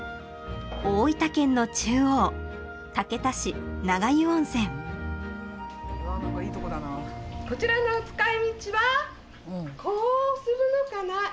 大分県の中央こうするのかな？